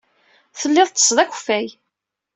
Telliḍ tettesseḍ akeffay.